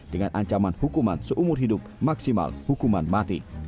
dengan ancaman hukuman seumur hidup maksimal hukuman mati